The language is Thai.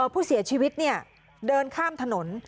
ผู้เสียชีวิตเดินข้ามถนน